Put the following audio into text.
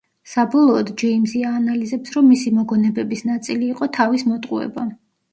საბოლოოდ, ჯეიმზი აანალიზებს, რომ მისი მოგონებების ნაწილი იყო თავის მოტყუება.